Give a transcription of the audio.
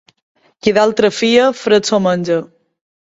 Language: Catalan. Qui d'altri fia, fred s'ho menja.